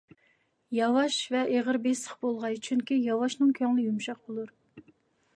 ياۋاش ۋە ئېغىر - بېسىق بولغاي، چۈنكى ياۋاشنىڭ كۆڭلى يۇمشاق بولۇر.